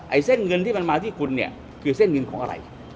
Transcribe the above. เส้นเงินที่มันมาที่คุณเนี่ยคือเส้นเงินของอะไร